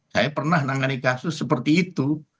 saya pernah menangani kasus seperti itu